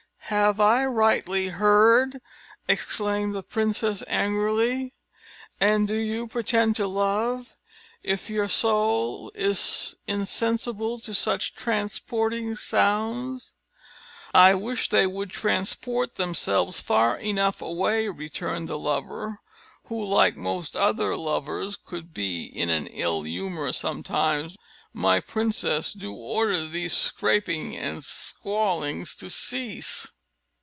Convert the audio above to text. "Have I rightly heard?" exclaimed the princess angrily; "and do you pretend to love, if your soul is insensible to such transporting sounds?" "I wish they would transport themselves far enough away," returned the lover, who, like most other lovers, could be in an ill humour sometimes. "My princess, do order this scraping and squalling to cease."